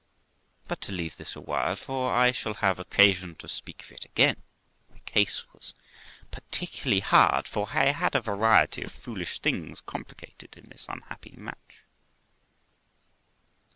But to leave this awhile, for I shall have occasion to speak of it again ; my case was particularly hard, for I had a variety of foolish things com plicated in this unhappy match.